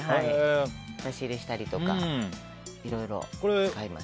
差し入れしたりとかいろいろ使います。